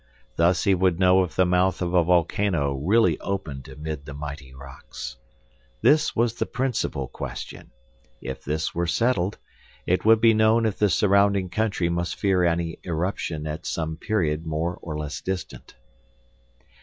Thus he would know if the mouth of a volcano really opened amid the mighty rocks. This was the principal question. If this were settled, it would be known if the surrounding country must fear an eruption at some period more or less distant.